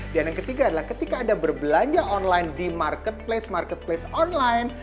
dan yang ketiga adalah ketika anda berbelanja online di marketplace marketplace online